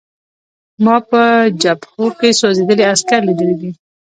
ما په جبهو کې سوځېدلي عسکر لیدلي دي